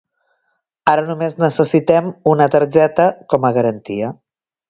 Ara només necessitem una targeta com a garantia.